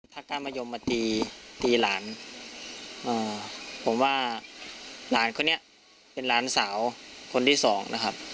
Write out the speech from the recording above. ถ้ากล้ามะยมมาตีตีหลานผมว่าหลานคนนี้เป็นหลานสาวคนที่สองนะครับ